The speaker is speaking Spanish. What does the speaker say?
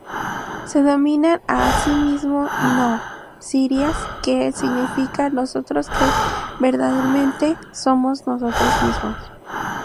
Se denominan a sí mismos nóʔciria, que significa "nosotros que verdaderamente somos nosotros mismos".